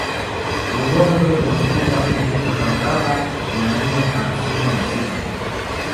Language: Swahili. Rubondo ina ukubwa wa kilomita za mraba mia nne hamsini na sita